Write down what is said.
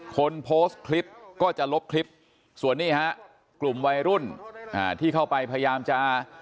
คนโพสต์คลิปก็จะลบคลิปส่วนนี้ฮะกลุ่มวัยรุ่นที่เข้าไปพยายามจะ